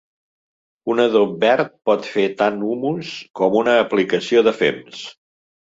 Un adob verd pot fer tant humus com una aplicació de fems.